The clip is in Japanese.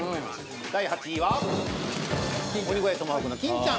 第８位は鬼越トマホークの金ちゃん。